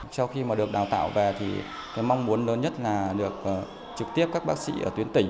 sau khi mà được đào tạo về thì cái mong muốn lớn nhất là được trực tiếp các bác sĩ ở tuyến tỉnh